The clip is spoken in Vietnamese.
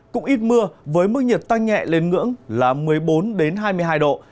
cũng ít mưa với mức nhiệt tăng nhẹ lên ngưỡng là một mươi bốn hai mươi hai độ